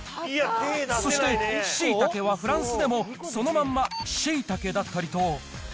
そして、しいたけはフランスでもそのまんま、しいたけだったりと。